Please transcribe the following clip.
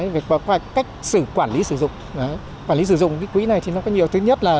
việc cách xử quản lý sử dụng quản lý sử dụng cái quỹ này thì nó có nhiều thứ nhất là